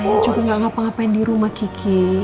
saya juga gak ngapa ngapain dirumah kiki